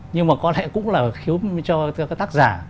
nhưng mà có lẽ cũng là khiến cho các tác giả